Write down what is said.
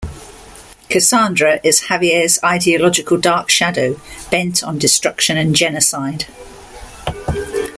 Cassandra is Xavier's ideological dark shadow, bent on destruction and genocide.